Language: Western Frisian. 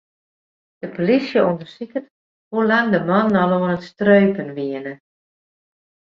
De plysje ûndersiket hoe lang de mannen al oan it streupen wiene.